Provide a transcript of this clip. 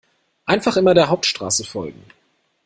Einfach immer der Hauptstraße folgen.